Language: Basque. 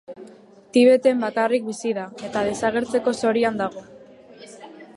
Tibeten bakarrik bizi da eta desagertzeko zorian dago.